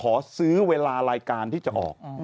ผมก็กล้ายืนยันว่าไม่มีลองฟังพี่หนุ่มชี้แจงดูนะฮะ